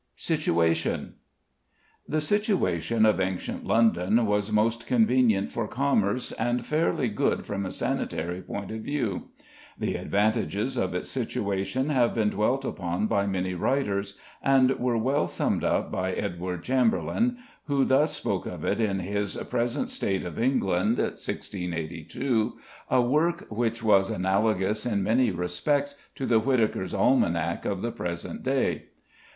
SITUATION. The situation of ancient London was most convenient for commerce, and fairly good from a sanitary point of view. The advantages of its situation have been dwelt upon by many writers, and were well summed up by Edward Chamberlayne, who thus speaks of it in his "Present State of England" (1682), a work which was analogous in many respects to the "Whitaker's Almanack" of the present day.